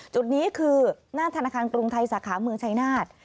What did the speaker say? จุดนี้คือหน้าธนาคารกรุงไทยสาขาเมืองชายนาฏ